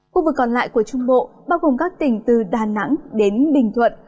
khu vực còn lại của trung bộ bao gồm các tỉnh từ đà nẵng đến bình thuận